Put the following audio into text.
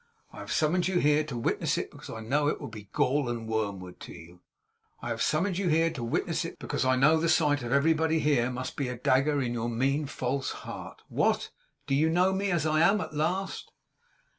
I have summoned you here to witness it, because I know it will be gall and wormwood to you! I have summoned you here to witness it, because I know the sight of everybody here must be a dagger in your mean, false heart! What! do you know me as I am, at last!